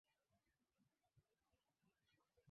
sifuri moja tano saba nne